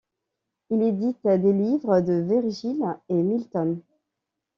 Il édite des livres de Virgile et Milton.